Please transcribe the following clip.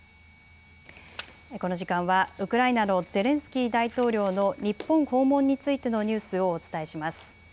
この時間はウクライナのゼレンスキー大統領の日本訪問についてのニュースをお伝えします。